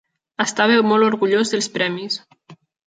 Estava molt orgullós dels premis.